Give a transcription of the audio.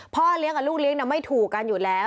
พ่อเลี้ยงกับลูกเลี้ยงไม่ถูกกันอยู่แล้ว